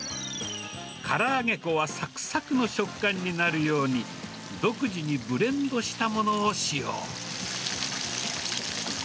から揚げ粉はさくさくの食感になるように、独自にブレンドしたものを使用。